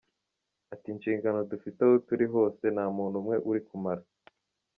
Ati “Inshingano dufite aho turi hose, nta muntu umwe uri kamara.